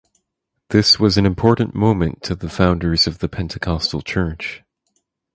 This was an important moment to the founders of the Pentecostal church.